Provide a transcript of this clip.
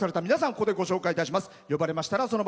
ここでご紹介いたします。